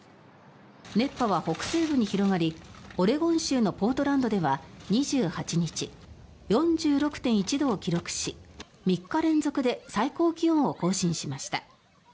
熱波は北西部に広がりオレゴン州のポートランドでは２８日４６．１度を記録し、３日連続で最高気温を更新しました。